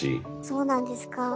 そうなんですか。